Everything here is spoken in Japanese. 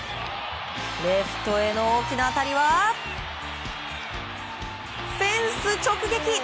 レフトへの大きな当たりはフェンス直撃！